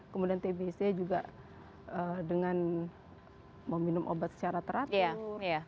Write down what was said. kemudian tbc juga dengan meminum obat secara teratur